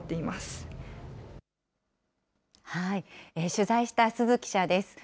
取材した鈴記者です。